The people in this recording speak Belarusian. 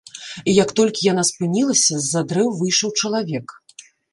І як толькі яна спынілася, з-за дрэў выйшаў чалавек.